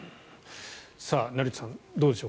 成田さん、どうでしょう